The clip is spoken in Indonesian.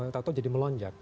tau tau jadi melonjak